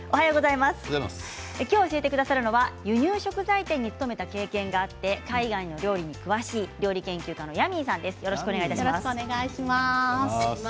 今日教えてくださるのは輸入食材店に勤めた経験があって海外の料理に詳しい料理研究家のヤミーさんです。